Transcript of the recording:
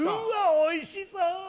おいしそう！